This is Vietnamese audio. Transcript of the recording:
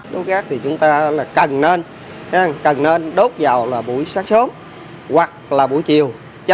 đối gác thì chúng ta là cần nên cần nên đốt vào là buổi sáng sớm hoặc là buổi chiều